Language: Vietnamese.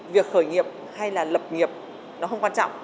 việc khởi nghiệp hay là lập nghiệp nó không quan trọng